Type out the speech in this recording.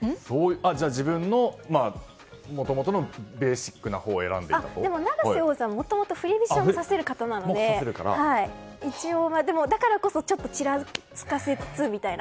自分のもともとのベーシックなほうをでも、永瀬王座はもともと振り飛車も指せる方なのでだからこそ、ちらつかせつつと。